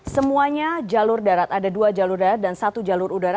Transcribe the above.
semuanya jalur darat ada dua jalur darat dan satu jalur udara